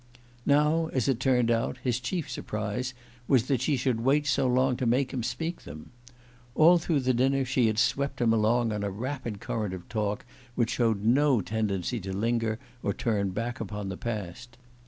Now, as it turned out, his chief surprise was that she should wait so long to make him speak them. All through the dinner she had swept him along on a rapid current of talk which showed no tendency to linger or turn back upon the past.